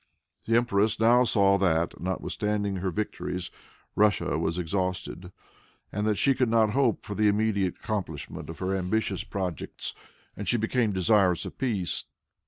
The empress now saw that, notwithstanding her victories, Russia was exhausted, and that she could not hope for the immediate accomplishment of her ambitious projects, and she became desirous of peace.